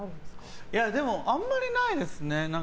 いや、でもあんまりないですね。